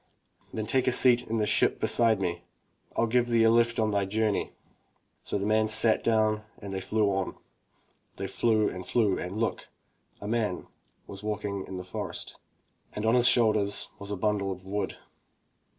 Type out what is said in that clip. "Then take a seat in the ship beside me. rU give thee a lift on thy journey." So the man sat down and they flew on. They flew and flew and look! — a man v/as walking in the forest, and on his shoulders was a bundle of wood.